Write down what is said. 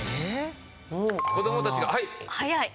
子どもたちがはい。